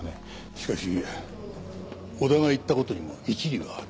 しかし小田が言った事にも一理はある。